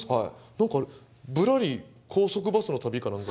何か「ぶらり高速バスの旅」か何か。